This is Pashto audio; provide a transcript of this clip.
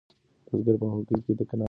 بزګر په کوهي کې د رڼا څرک ولید.